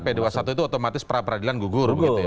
karena p dua puluh satu itu otomatis perapradilan gugur